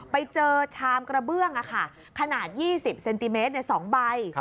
ไปเจอชามกระเบื้องขนาด๒๐เซนติเมตร๒ใบ